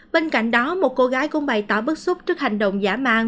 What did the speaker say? bên cạnh đó một cô gái cũng bày tỏ bức xúc trước hành động giả mang